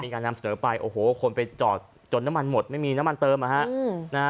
การนำเสนอไปโอ้โหคนไปจอดจนน้ำมันหมดไม่มีน้ำมันเติมนะฮะ